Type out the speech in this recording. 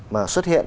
mà xuất hiện